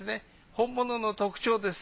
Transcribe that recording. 本物の特徴です。